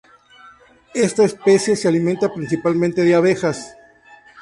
Esta especie se alimenta principalmente de abejas.